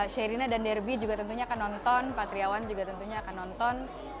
sherina dan derby juga tentunya akan nonton patriawan juga tentunya akan nonton